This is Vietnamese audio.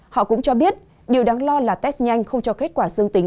họ cũng cho biết điều đáng lo là test nhanh không cho kết quả dương tính